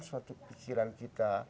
suatu pikiran kita